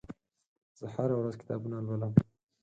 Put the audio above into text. زه هره ورځ کتابونه لولم.